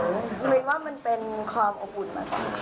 เหมือนว่ามันเป็นความอบอุ่นมากเลยค่ะ